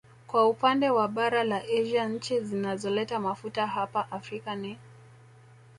Kwa upande wa bara la Asia nchi zinazoleta mafuta hapa Afrika ni